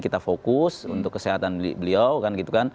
kita fokus untuk kesehatan beliau